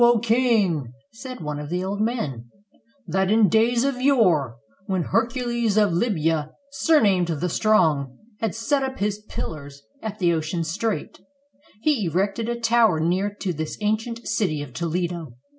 0 King," said one of the old men, "'that in days of yore, when Hercules of Libya, sumamed the Strong, had set up his pillars at the ocean strait, he erected a tower near to this ancient city of Toledo.